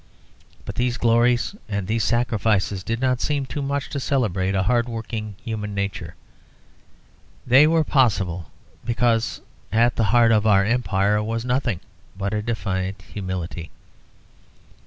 But these glories and these sacrifices did not seem too much to celebrate a hardworking human nature; they were possible because at the heart of our Empire was nothing but a defiant humility.